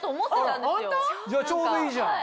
じゃあちょうどいいじゃん。